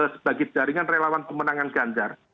sebagai jaringan relawan pemenangan ganjar